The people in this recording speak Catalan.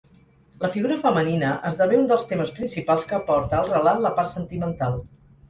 La figura femenina esdevé un dels temes principals que aporta al relat la part sentimental.